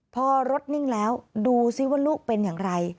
พอรถนิ่งแล้วดูซิว่าลูกเป็นอย่างไร